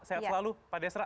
sehat selalu pak desra